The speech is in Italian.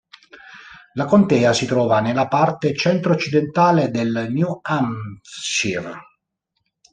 La contea si trova nella parte centro-occidentale del New Hampshire.